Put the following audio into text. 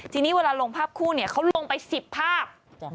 ทีนี้เวลาลงภาพคู่เขาลงไป๑๐ภาพ